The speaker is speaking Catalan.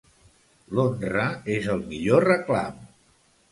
L'honra és el millor reclam.